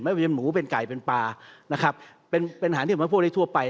ไม่เป็นหมูเป็นไก่เป็นปลาเป็นอาหารที่ผมพบได้ทั่วไป